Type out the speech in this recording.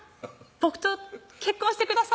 僕と結婚してください！」